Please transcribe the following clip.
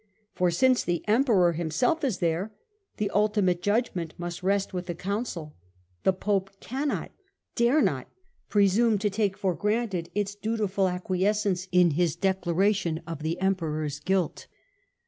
For, since the Emperor himself is there, the ultimate judgment must rest with the Council : the Pope cannot, dare not pre sume to take for granted its dutiful acquiescence in his declaration of the Emperor's guilt.